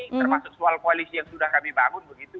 termasuk soal koalisi yang sudah kami bangun begitu